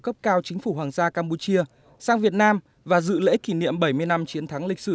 cấp cao chính phủ hoàng gia campuchia sang việt nam và dự lễ kỷ niệm bảy mươi năm chiến thắng lịch sử